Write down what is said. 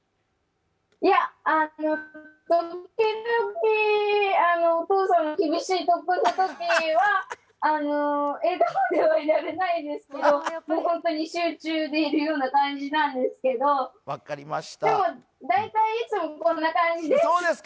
いや、ときどきお父さんの厳しい特訓のときには笑顔ではいられないですけど、本当に集中でいるような感じなんですけど、でも大体いつもこんな感じです。